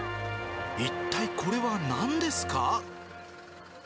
一体これはなんですか。